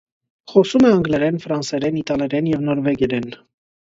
Խոսում է անգլերեն, ֆրանսերեն, իտալերեն և նորվեգերեն։